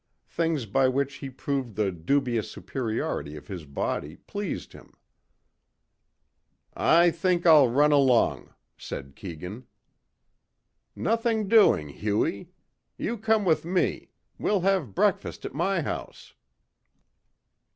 Things by which he proved the dubious superiority of his body pleased him. "I think I'll run along," said Keegan. "Nothing doing, Hughie. You come with me. We'll have breakfast at my house."